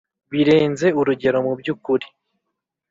birenze urugero mu byukuri